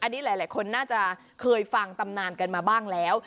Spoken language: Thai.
อันนี้หลายคนน่าจะเคยฟังตำนานกันมาบ้างแล้ว